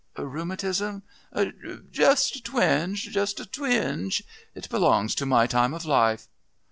"Rheumatism? Just a twinge just a twinge.... It belongs to my time of life."